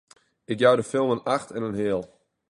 Ik jou de film in acht en in heal!